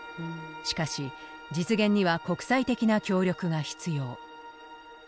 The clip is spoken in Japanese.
しかし実現には国際的な協力が必要。